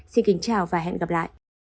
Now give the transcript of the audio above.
xin kính chào và hẹn gặp lại